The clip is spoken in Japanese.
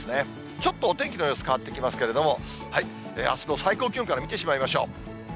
ちょっとお天気の様子変わってきますけれども、あすの最高気温から見てしまいましょう。